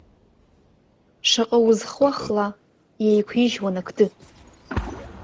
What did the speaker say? Шаҟа узхуа хла, иеиқәижьуан ақды.